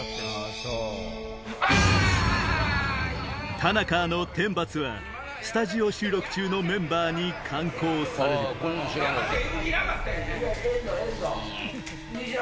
ＴＡＮＡＫＥＲの天罰はスタジオ収録中のメンバーに敢行される２６！